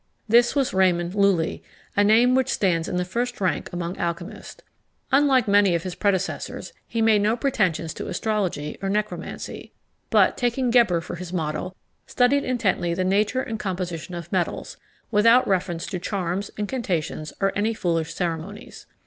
This was Raymond Lulli, a name which stands in the first rank among the alchymists. Unlike many of his predecessors, he made no pretensions to astrology or necromancy; but, taking Geber for his model, studied intently the nature and composition of metals, without reference to charms, incantations, or any foolish ceremonies.